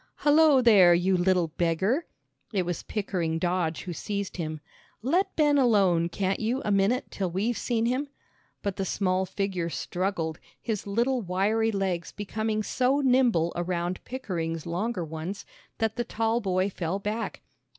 "Hulloa there, you little beggar!" It was Pickering Dodge who seized him. "Let Ben alone, can't you, a minute, till we've seen him." But the small figure struggled, his little wiry legs becoming so nimble around Pickering's longer ones, that the tall boy fell back.